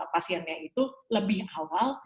pasiennya itu lebih awal